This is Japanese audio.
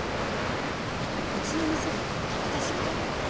うちの店で私が撮ったの。